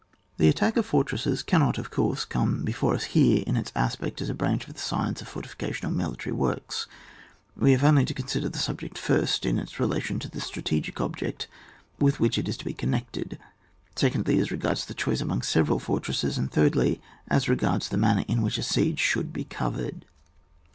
The attack of fortresses cannot of course come before us here in its aspect as a branch of the science of fortification or military works ; we have only to con sider the subject, first, in its relation to the strategic object with which it is con nected ; secondly, as regards the choice among several fortresses; and thirdly, as regards the manner in which a siege should be covered.